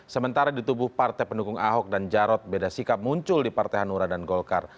sementara di tubuh partai pendukung ahok dan jarot beda sikap muncul di partai hanura dan golkar